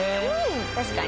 確かに。